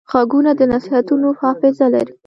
غوږونه د نصیحتونو حافظه لري